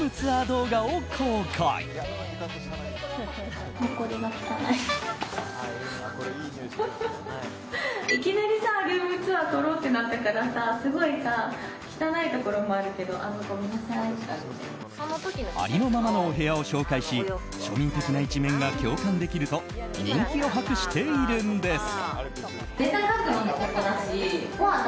ありのままのお部屋を紹介し庶民的な一面が共感できると人気を博しているんです。